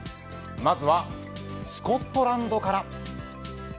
まずはスコットランドから。